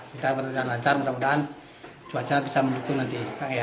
kita berjalan lancar semoga cuaca bisa menukul nanti